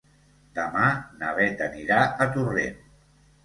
Demà na Bet anirà a Torrent.